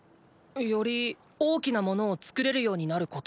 より大きな物を作れるようになること。